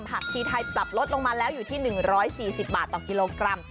ชีไทยปรับลดลงมาแล้วอยู่ที่๑๔๐บาทต่อกิโลกรัม